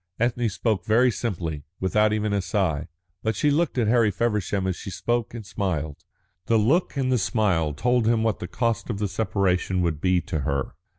Ethne spoke very simply, without even a sigh, but she looked at Harry Feversham as she spoke and smiled. The look and the smile told him what the cost of the separation would be to her.